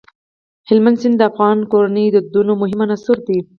هلمند سیند د افغان کورنیو د دودونو مهم عنصر دی.